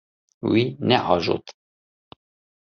Wî neajot.